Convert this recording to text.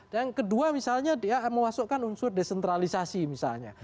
dan kedua misalnya dia mewasukkan unsur desentralisasi misalnya